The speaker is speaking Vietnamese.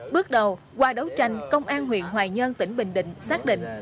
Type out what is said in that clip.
bước đầu qua đấu tranh công an huyện hoài nhơn tỉnh bình định xác định